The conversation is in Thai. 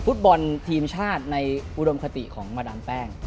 ฟุตบอลทีมชาติในอุดมคติของมาดามแป้ง